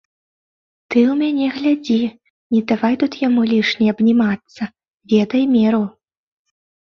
Ты ў мяне глядзі, не давай тут яму лішне абнімацца, ведай меру.